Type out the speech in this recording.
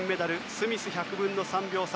スミスは１００分の３秒差。